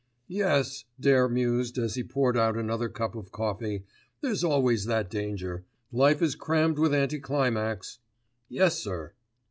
"Yes," Dare mused as he poured out another cup of coffee; "there's always that danger. Life is crammed with anti climax." "Yes, sir!"